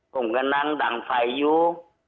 ผมก็นั่งดั่งไฟอยู่